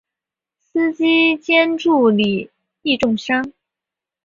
司机兼助理亦重伤。